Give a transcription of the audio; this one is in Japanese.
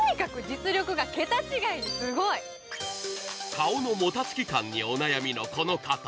顔のもたつき感にお悩みのこの方。